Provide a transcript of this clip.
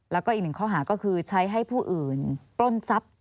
แล้วก็อีกหนึ่งข้อหาก็คือใช้ให้ผู้อื่นปล้นทรัพย์